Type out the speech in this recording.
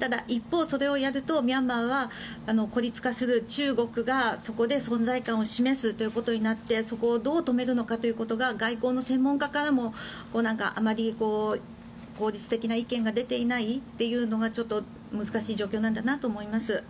ただ一方、それをやるとミャンマーは孤立化する中国がそこで存在感を示すことになってそこをどう止めるのかということが外交の専門家からもあまり効率的な意見が出ていないというのがちょっと難しい状況なんだなと思います。